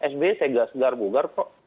sby segar segar bugar kok